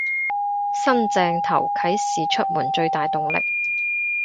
新正頭啟市出門最大動力